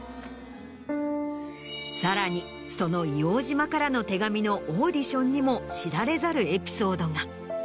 さらにその『硫黄島からの手紙』のオーディションにも知られざるエピソードが。